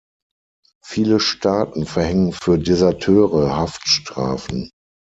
Viele Staaten verhängen für Deserteure Haftstrafen.